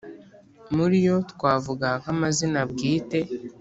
muri yo twavuga nk’amazina bwite